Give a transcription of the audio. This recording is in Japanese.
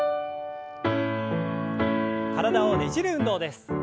体をねじる運動です。